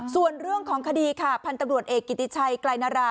ส่วนเรื่องของคดีค่ะพันธุรกรเอกกิติชัยกลายนารา